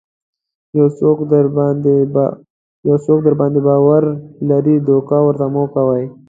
که یو څوک درباندې باور لري دوکه ورته مه کوئ.